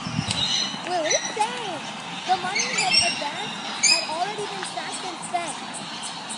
The money advanced had already been sacked and spent.